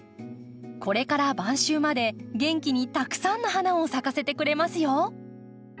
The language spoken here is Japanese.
これから晩秋まで元気にたくさんの花を咲かせてくれますよ。